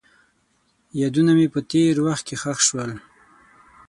یادونه مې په تېر وخت کې ښخ شول.